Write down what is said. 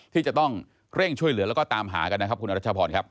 ที่จะต้องเร่งช่วยเหลือแล้วก็ตามหากันนะครับคุณอรัชพรครับ